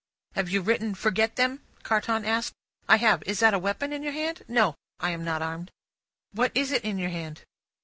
"Have you written 'forget them'?" Carton asked. "I have. Is that a weapon in your hand?" "No; I am not armed." "What is it in your hand?"